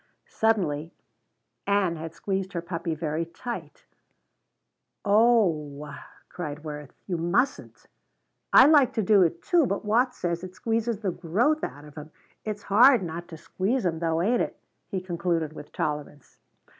Suddenly Ann had squeezed her puppy very tight. "O h," cried Worth, "you mustn't! I like to do it, too, but Watts says it squeezes the grows out of 'em. It's hard not to squeeze 'em though, ain't it?" he concluded with tolerance.